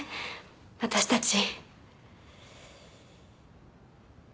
私たち。